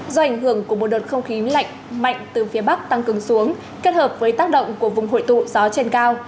do ảnh hưởng của một đợt không khí lạnh mạnh từ phía bắc tăng cường xuống kết hợp với tác động của vùng hội tụ gió trên cao